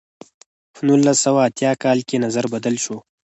په نولس سوه اتیا کال کې نظر بدل شو.